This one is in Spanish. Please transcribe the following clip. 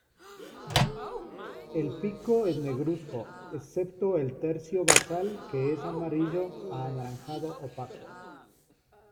El pico es negruzco, excepto el tercio basal que es amarillo a anaranjado opaco.